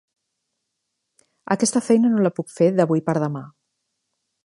Aquesta feina no la puc fer d'avui per demà.